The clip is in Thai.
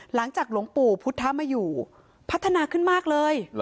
หลังจากหลวงปู่พุทธมาอยู่พัฒนาขึ้นมากเลย